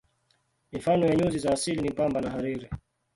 Mifano ya nyuzi za asili ni pamba na hariri.